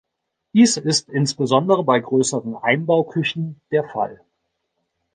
Dies ist insbesondere bei größeren Einbauküchen der Fall.